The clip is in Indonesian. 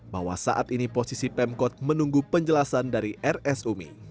bahwa saat ini posisi pemkot menunggu penjelasan dari rs umi